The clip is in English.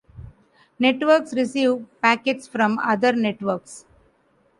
Networks receive packets from other networks.